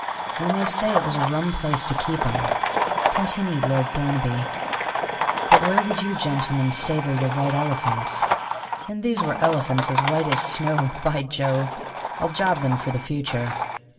"You may say it was a rum place to keep 'em," continued Lord Thornaby. "But where would you gentlemen stable your white elephants? And these were elephants as white as snow; by Jove, I'll job them for the future!"